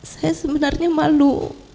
saya sebenarnya malu